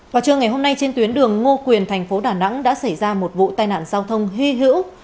vào trưa ngày hôm nay trên tuyến đường ngô quyền thành phố đà nẵng đã xảy ra một vụ tai nạn giao thông hy hữu